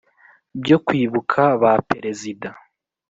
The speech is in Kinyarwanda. byo kwibuka ba perezida